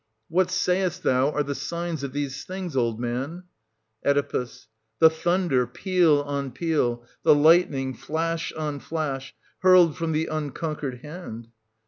What sayest thou are the signs of these things, old man } Oe. The thunder, peal on peal, — the lightning, flash on flash, hurled from the unconquered hand.